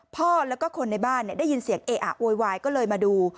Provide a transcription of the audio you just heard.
พ่อแล้วก็คนในบ้านได้ยินเสียงเออะโวยวายก็เลยมาดู